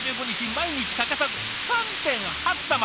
毎日欠かさず３．８玉。